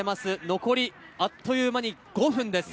残り、あっという間に５分です。